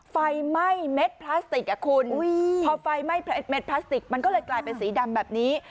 ไฟไหม้เม็ดพลาสติกอ่ะคุณพอไฟไหม้เม็ดพลาสติกมันก็เลยกลายเป็นสีดำแบบนี้